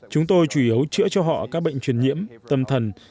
chúng tôi chủ yếu chữa cho họ các bệnh truyền nhiễm tâm thần